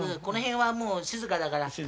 この辺はもう静かだから。